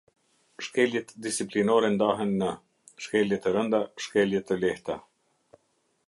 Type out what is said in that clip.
Shkeljet disiplinore ndahen në: shkelje të rënda, shkelje të lehta.